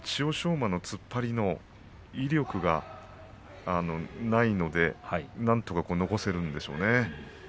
馬の突っ張りの威力はないのでなんとか残せるんでしょうね。